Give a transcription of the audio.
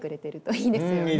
いいですね。